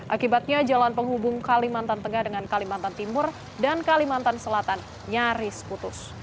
akibatnya jalan penghubung kalimantan tengah dengan kalimantan timur dan kalimantan selatan nyaris putus